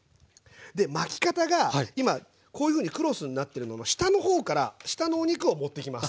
で巻き方が今こういうふうにクロスになってるのの下の方から下のお肉を持ってきます。